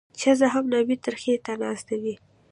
ښځه هم نامي ترخي ته ناسته وي.